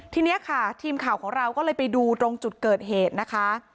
ทีนี้ค่ะทีมข่าวของเราก็เลยไปดูตรงจุดเกิดเหตุนะคะ